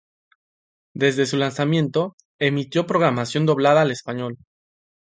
Desde su lanzamiento, emitió programación doblada al español.